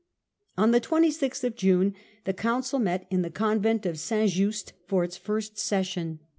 On the 26th of June the Council met in the convent of St. Just for its first session.